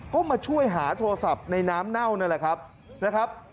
ก็มาช่วยหาโทรศัพท์ในน้ำเน่านั่นแหละครับนะครับ